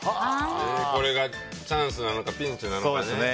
これがチャンスなのかピンチなのかね。